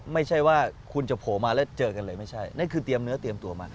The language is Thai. ไม่ใช่ว่าคุณจะโผล่มาแล้วเจอกันเลยไม่ใช่นั่นคือเตรียมเนื้อเตรียมตัวมา